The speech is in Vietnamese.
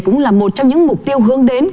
cũng là một trong những mục tiêu hướng đến